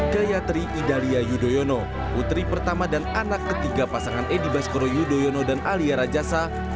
gayatri idalia yudhoyono putri pertama dan anak ketiga pasangan edi baskoro yudhoyono dan alia rajasa